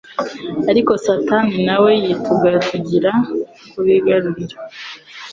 Ariko Satani na we yitugatugira kubigarurira.